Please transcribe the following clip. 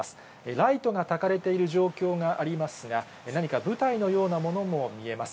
ライトがたかれている状況がありますが、何か舞台のようなものも見えます。